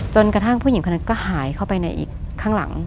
จนกระทั่งผู้หญิงคนนั้นก็หายเข้าไปในอีกข้างหลัง